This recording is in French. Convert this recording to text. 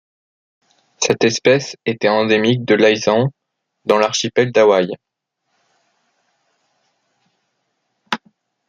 Cette espèce était endémique de Laysan, dans l'archipel d'Hawaï.